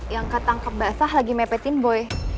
yang ketangkep basah lagi mepetin bue